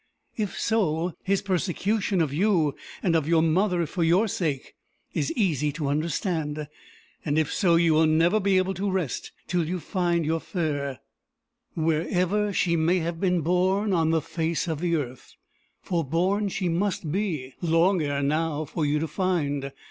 If so, his persecution of you, and of your mother for your sake, is easy to understand. And if so, you will never be able to rest till you find your fere, wherever she may have been born on the face of the earth. For born she must be, long ere now, for you to find.